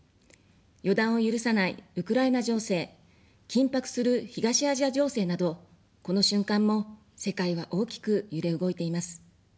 予断を許さないウクライナ情勢、緊迫する東アジア情勢など、この瞬間も世界は大きく揺れ動いています。